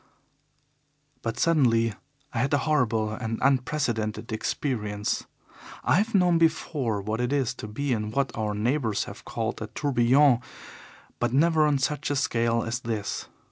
But suddenly I had a horrible and unprecedented experience. I have known before what it is to be in what our neighbours have called a tourbillon, but never on such a scale as this.